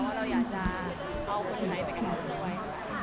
ว่าเราอยากจะเอาไทยไปกับมันไว้